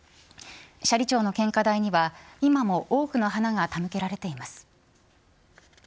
斜里町の献花台には今も多くの花が手向けられています。